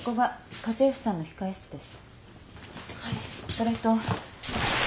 それと。